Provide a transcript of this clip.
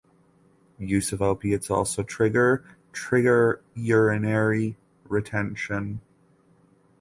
Use of opiates also trigger trigger urinary retention.